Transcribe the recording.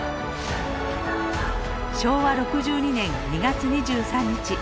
昭和６２年２月２３日。